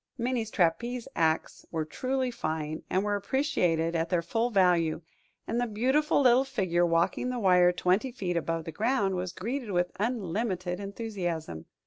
Minnie's trapeze acts were truly fine, and were appreciated at their full value; and the beautiful little figure walking the wire twenty feet above the ground was greeted with unlimited enthusiasm.